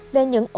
về những ổn khúc